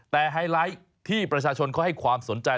แต่ไฮไลท์ที่ประชาชนเขาให้ความสนใจ